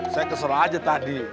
saya kesel aja tadi